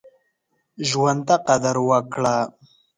ژوند ته قدر وکړه.